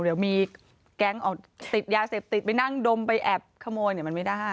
เดี๋ยวมีแก๊งติดยาเสพติดไปนั่งดมไปแอบขโมยเนี่ยมันไม่ได้